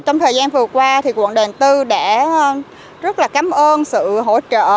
trong thời gian vừa qua quận đoàn tư đã rất cảm ơn sự hỗ trợ